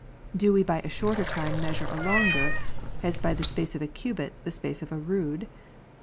do we by a shorter time measure a longer, as by the space of a cubit, the space of a rood